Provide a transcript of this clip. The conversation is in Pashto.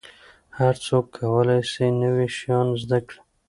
هر څوک کولای سي نوي شیان زده کړي.